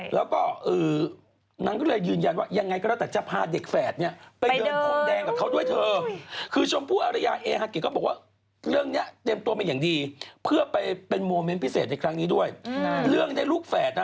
แล้วก็นางก็เลยยืนแย้นว่าอย่างไรก็ได้แต่จะพาเด็กแฝดนี่ไปเดินทอมแดงกับเขาด้วยเธอ